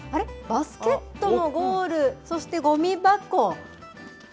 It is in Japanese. バスケットのゴール、そしてごみ箱。